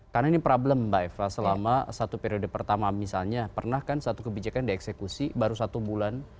karena ini problem mbak ifrah selama satu periode pertama misalnya pernah kan satu kebijakan dieksekusi baru satu bulan